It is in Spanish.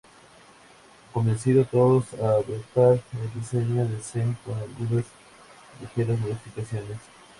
Convenció a todos a adoptar el diseño de Zeng con algunas ligeras modificaciones.